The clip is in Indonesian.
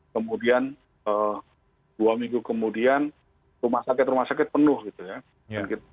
kemudian dua minggu kemudian rumah sakit rumah sakit penuh gitu ya